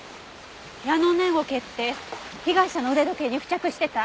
ヤノネゴケって被害者の腕時計に付着してた。